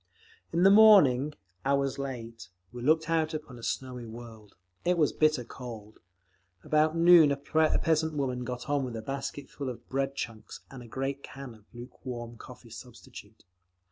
In the morning, hours late, we looked out upon a snowy world. It was bitter cold. About noon a peasant woman got on with a basket full of bread chunks and a great can of luke warm coffee substitute.